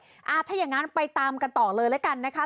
ถ้าอย่างนั้นไปตามกันต่อเลยแล้วกันนะคะ